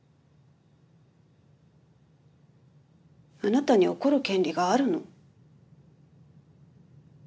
あなたに怒る権利があるの？